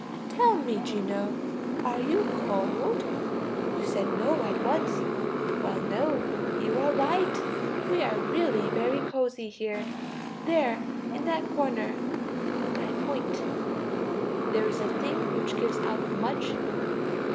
Tell me, Gino, are you cold? You said no at once. Well, no, you are right; we are really very cozy here. There, in that corner (I point) there is a thing which gives out much